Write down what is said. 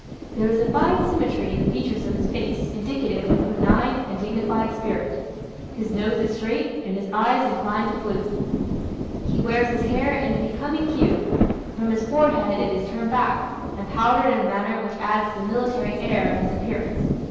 There is a fine symmetry in the features of his face indicative of a benign and dignified spirit. His nose is straight, and his eyes inclined to blue. He wears his hair in a becoming cue, and from his forehead it is turned back, and powdered in a manner which adds to the military air of his appearance.